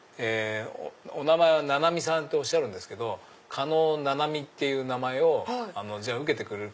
お名前は七実さんっておっしゃるんですけど狩野七実っていう名前を受けてくれるか？